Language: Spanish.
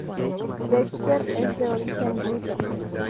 Dexter es de origen ruso.